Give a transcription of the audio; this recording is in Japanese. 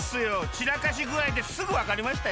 ちらかしぐあいですぐわかりましたよ。